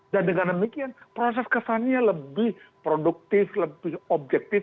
dan dengan demikian proses kesannya lebih produktif lebih objektif